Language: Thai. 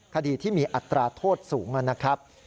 คดีที่มีอัตราโทษสูงนะครับ